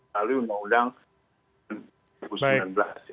lalu undang undang sembilan belas